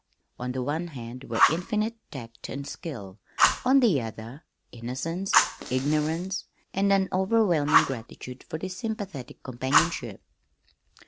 On the one hand were infinite tact and skill; on the other, innocence, ignorance, and an overwhelming gratitude for this sympathetic companionship.